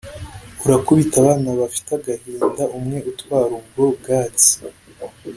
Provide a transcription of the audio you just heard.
urakubita abana, bafite agahinda umwe utwara ubwo bwatsi